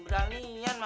ntar dia bersihin siapa